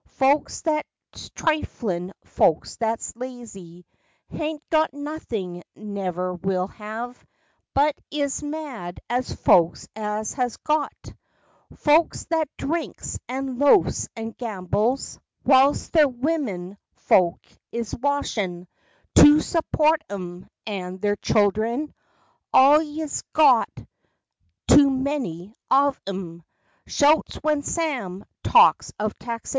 Folks that's trifTin', folks that's lazy— Haint got nothin', never will have; But is mad at folks as has got:— Folks that drinks and loafs and gambles Whilst their wimmin folks is washin' To support 'em, and their children— (All'ys got too many of 'em); Shouts when Sam talks of taxation!